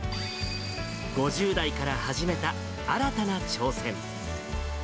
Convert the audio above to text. ５０代から始めた新たな挑戦。